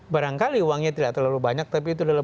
barangkali uangnya tidak terlalu banyak tapi itu adalah